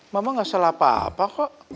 mama gak salah papa kok